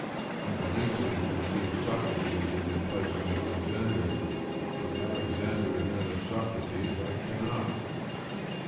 I can easily conceive Socrates in the place of Alexander, but Alexander in that of Socrates, I cannot.